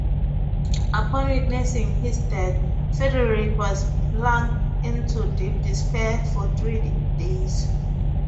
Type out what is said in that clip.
Upon witnessing his death, Frederick was plunged into deep despair for three days.